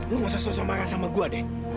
lo gak usah sosok marah sama gua deh